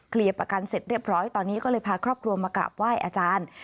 ประกันเสร็จเรียบร้อยตอนนี้ก็เลยพาครอบครัวมากราบไหว้อาจารย์